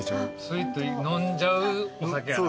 スイっと飲んじゃうお酒やね